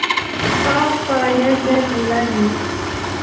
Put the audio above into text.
صاف پانڑیاں دیاں جھیلاں ہن۔